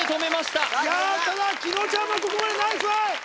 ただ紀野ちゃんもここまでナイストライ！